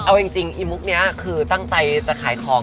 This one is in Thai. เอาจริงอีมุกนี้คือตั้งใจจะขายของ